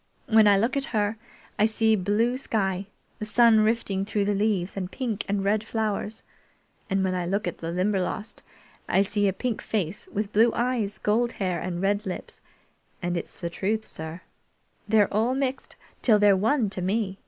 When I look at her, I see blue sky, the sun rifting through the leaves and pink and red flowers; and when I look at the Limberlost I see a pink face with blue eyes, gold hair, and red lips, and, it's the truth, sir, they're mixed till they're one to me!